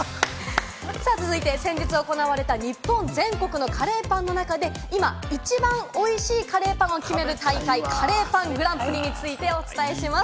続いて、先日行われた日本全国のカレーパンの中で今、一番美味しいカレーパンを決める大会、カレーパングランプリについてお伝えします。